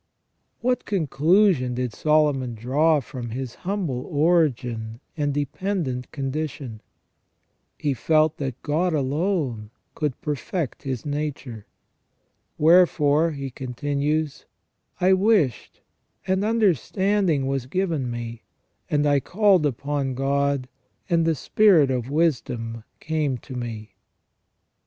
What conclusion did Solomon draw from his humble origin and dependent condition ? He felt that God alone could perfect his nature. " Wherefore," he con tinues, " I wished ; and understanding was given me ; and I called upon God, and the spirit of wisdom came to me."